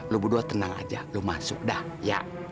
lu berdua tenang aja lu masuk dah ya